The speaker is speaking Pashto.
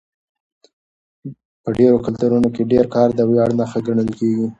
په ډېرو کلتورونو کې ډېر کار د ویاړ نښه ګڼل کېږي.